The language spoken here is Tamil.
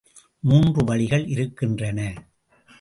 மூன்று வழிகள் இருக்கின்றன.